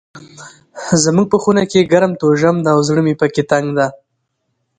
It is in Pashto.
زموږ په خونه کې ګرم توژم ده او زړه مې پکي تنګ ده.